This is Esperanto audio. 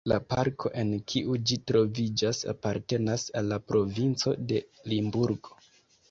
La parko en kiu ĝi troviĝas apartenas al la provinco de Limburgo.